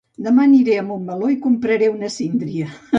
Demà aniré a Montmeló i compraré una síndria